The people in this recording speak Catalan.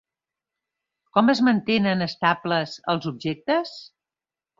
Com es mantenen estables els objectes?